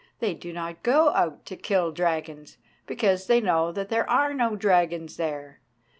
They do not go out to kill dragons, because they know that there are no dragons there.